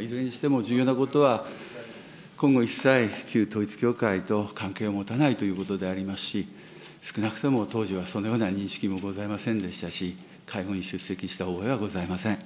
いずれにしても重要なことは、今後一切、旧統一教会と関係を持たないということでありますし、少なくとも当時はそのような認識もございませんでしたし、会合に出席した覚えはございません。